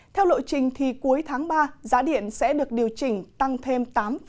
theo lộ trình thì cuối tháng ba giá điện sẽ được điều chỉnh tăng thêm tám ba mươi sáu